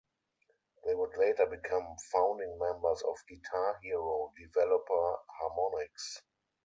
They would later become founding members of "Guitar Hero" developer Harmonix.